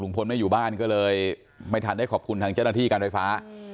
พลไม่อยู่บ้านก็เลยไม่ทันได้ขอบคุณทางเจ้าหน้าที่การไฟฟ้า